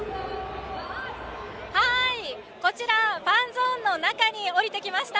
こちらファンゾーンの中に下りてきました。